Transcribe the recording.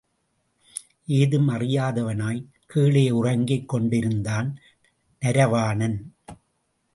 ஏதும் அறியாதவனாய்க் கீழே உறங்கிக் கொண்டிருந்தான் நரவாணன்.